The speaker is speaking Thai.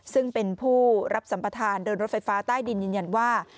ซึ่งเป็นผู้รับสัมประธานเดินรถไฟฟ้าใต้ดินยืนยันว่า